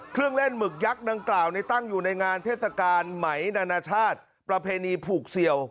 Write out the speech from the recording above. เครื่องเล่นหมึกยักษ์ดังกล่าวตั้งอยู่ในงานเทศกาลไหมนานาชาติประเพณีผูกเสี่ยว